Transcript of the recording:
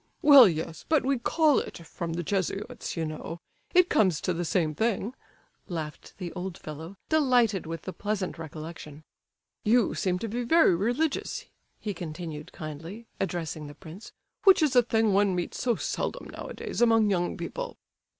"Well, yes—but we call it from the Jesuits, you know; it comes to the same thing," laughed the old fellow, delighted with the pleasant recollection. "You seem to be very religious," he continued, kindly, addressing the prince, "which is a thing one meets so seldom nowadays among young people."